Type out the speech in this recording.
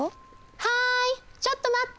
はいちょっとまって。